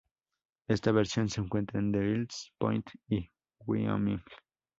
Esta versión se encuentra en Devil's Point, Wyoming.